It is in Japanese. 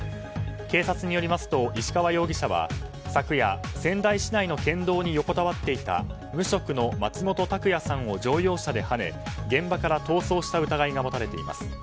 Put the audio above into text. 警察によりますと石川容疑者は昨夜、仙台市の県道に横たわっていた無職の松本拓也さんを乗用車ではね現場から逃走した疑いが持たれています。